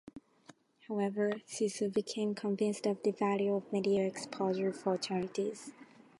However, she soon became convinced of the value of media exposure for charities.